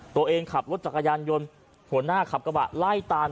ขับรถจักรยานยนต์หัวหน้าขับกระบะไล่ตาม